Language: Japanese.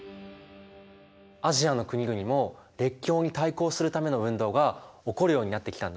アジアの国々も列強に対抗するための運動が起こるようになってきたんだね。